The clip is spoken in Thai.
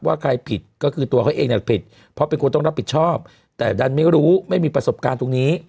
ใครผิดก็คือตัวเขาเองผิดเพราะเป็นคนต้องรับผิดชอบแต่ดันไม่รู้ไม่มีประสบการณ์ตรงนี้